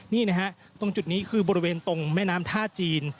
นี่นะฮะตรงจุดนี้คือบริเวณตรงแม่น้ำท่าจีน